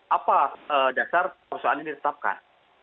apa dasar persoalan ini ditetapkan